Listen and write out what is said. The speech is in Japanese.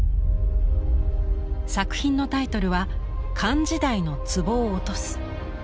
作品のタイトルは「漢時代の壷を落とす」。